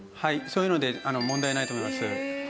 そういうので問題ないと思います。